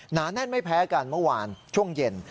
หนาแน่นไม่แพ้กันเมื่อวานช่วงเย็น